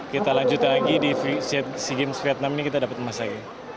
kita lanjut lagi di sea games vietnam ini kita dapat emas lagi